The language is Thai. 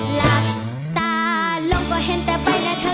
หลับตาลงก็เห็นแต่ไปนะเธอ